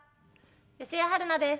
吉江晴菜です。